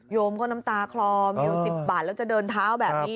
มก็น้ำตาคลอมอยู่๑๐บาทแล้วจะเดินเท้าแบบนี้